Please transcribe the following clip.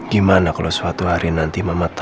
gimana kalau suatu hari nanti mama bisa lihat ria